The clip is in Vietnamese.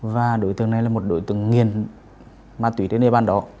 và đối tượng này là một đối tượng nghiền ma tùy đến địa bàn đó